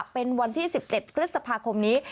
เป็นวันที่๑๗พฤษภาคมนี้